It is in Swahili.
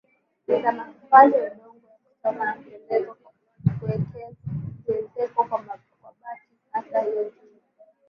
ni za matofali ya udongo ya kuchoma na kuezekwa kwa bati hata hivyo nyumba